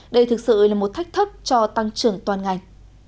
đây thực sự là một thách thức cho tăng trưởng toàn ngành